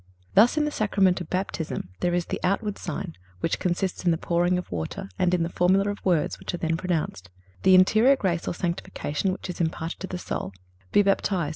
Thus, in the Sacrament of Baptism, there is the outward sign, which consists in the pouring of water and in the formula of words which are then pronounced; the interior grace or sanctification which is imparted to the soul: "Be baptized